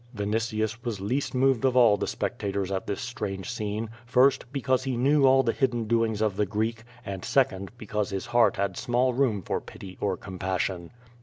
Vinitius was least moved of all the spectators at this strange scene, first, because he knew all the hidden doings of the Greek, and second, because his heart had small room for pity or compassion.